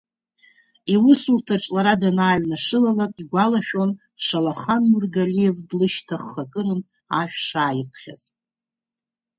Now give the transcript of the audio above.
Иусурҭаҿ лара данааҩнашылалак, игәалашәон Шалахан Нургалиев длышьҭахх акырантә ашә шааиртхьаз.